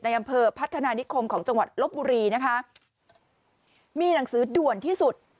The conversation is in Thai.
อำเภอพัฒนานิคมของจังหวัดลบบุรีนะคะมีหนังสือด่วนที่สุด